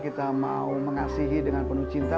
kita mau mengasihi dengan penuh cinta